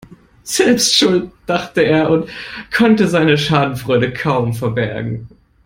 Selbst schuld, dachte er und konnte seine Schadenfreude kaum verbergen.